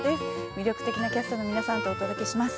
魅力的なキャストの皆さんとお届けします